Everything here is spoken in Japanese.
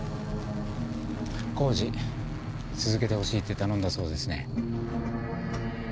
工事続けてほしいって頼んだそうですね。